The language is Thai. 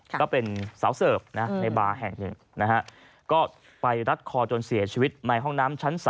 ก็เป็นสาวเสิร์ฟในบาร์แห่งหนึ่งนะฮะก็ไปรัดคอจนเสียชีวิตในห้องน้ำชั้น๓